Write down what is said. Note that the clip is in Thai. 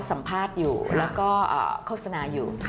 สัมภาษณ์อยู่แล้วก็โฆษณาอยู่